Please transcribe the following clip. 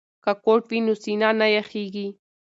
که کوټ وي نو سینه نه یخیږي.